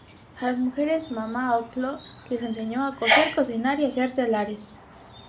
A las mujeres Mama Ocllo les enseñó a coser, cocinar y hacer telares.